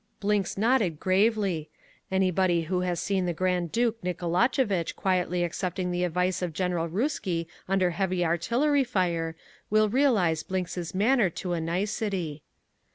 Blinks nodded gravely. Anybody who has seen the Grand Duke Nicholoevitch quietly accepting the advice of General Ruski under heavy artillery fire, will realize Blinks' manner to a nicety.